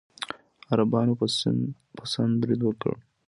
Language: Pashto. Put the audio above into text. عربانو په سند برید وکړ.